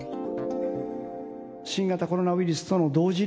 新型コロナウイルスとの同時